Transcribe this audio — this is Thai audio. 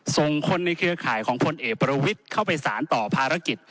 ส่งคนในเครือข่ายของพลเอกประวิทย์เข้าไปสารต่อภารกิจ